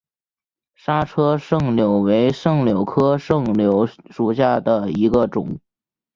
莎车柽柳为柽柳科柽柳属下的一个种。